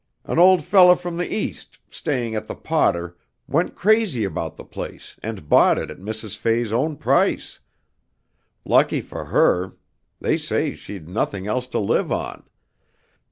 An old feller from the East, staying at the Potter, went crazy about the place and bought it at Mrs. Fay's own price. (Lucky for her! They say she'd nothing else to live on!)